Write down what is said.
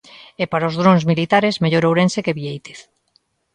E para os drons militares, mellor Ourense que Biéitez.